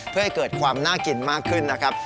เพื่อให้เกิดความน่ากินมากขึ้นนะครับ